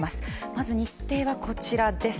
まず日程はこちらです。